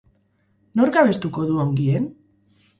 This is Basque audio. Nork abestuko du ongien?